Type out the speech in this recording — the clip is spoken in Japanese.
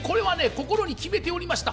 心に決めておりました。